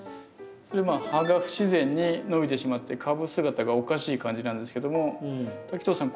それまあ葉が不自然に伸びてしまって株姿がおかしい感じなんですけども滝藤さん